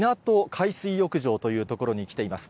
海水浴場というところに来ています。